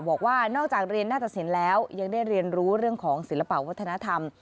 บอกว่านอกจากเรียนหน้าตสินแล้วยังได้เรียนรู้เรื่องของศิลปะวัฒนธรรม